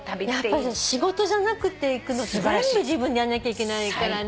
仕事じゃなくて行くのって全部自分でやんなきゃいけないからね。